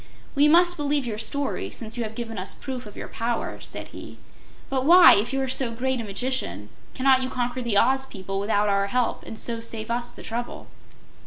"We must believe your story, since you have given us proof of your power," said he. "But why, if you are so great a magician, cannot you conquer the Oz people without our help, and so save us the trouble?"